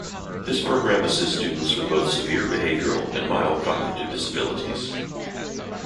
This program assists students with both severe behaviour and mild cognitive disabilities.